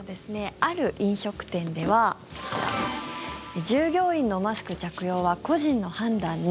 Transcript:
ある飲食店では従業員のマスク着用は個人の判断に。